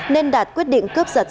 nên đạt quyết định cướp giật